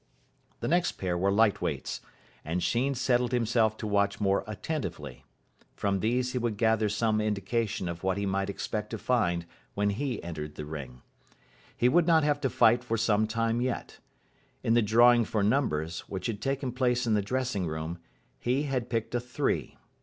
The next pair were light weights, and Sheen settled himself to watch more attentively. From these he would gather some indication of what he might expect to find when he entered the ring. He would not have to fight for some time yet. In the drawing for numbers, which had taken place in the dressing room, he had picked a three.